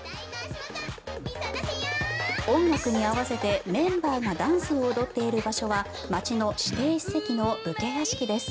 音楽に合わせてメンバーがダンスを踊っている場所は町の指定史跡の武家屋敷です。